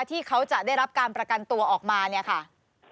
ที่เขาจะได้รับการประกันตัวออกมาเนี่ยค่ะ